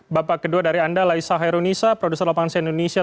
bapak kedua dari anda laisa herunisa produser lapangan se indonesia